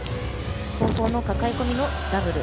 後方かかえ込みのダブル。